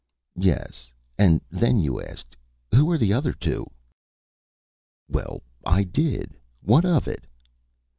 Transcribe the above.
'" "Yes. And then you asked, 'Who are the other two?'" "Well, I did. What of it?"